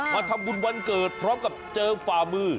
มาทำบุญวันเกิดพร้อมกับเจิมฝ่ามือ